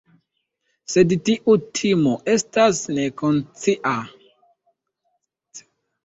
Sed tiu timo estas nekonscia.